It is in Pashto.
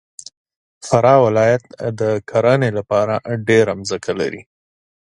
فراه ولایت د کرهنې دپاره ډېره مځکه لري.